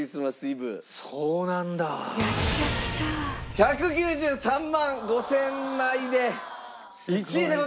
１９３万５０００枚で１位でございました。